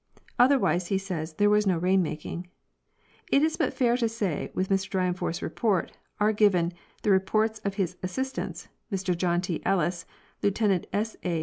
Otherwise he says there was no rain making. It is but fair to say that with Mr Dyrenforth's report are given the reports of his assistants, Mr John T. Ellis, Lieutenant 8. A.